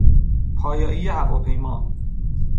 پایایی هواپیما